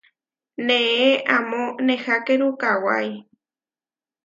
Neé amó nehákeru kawái.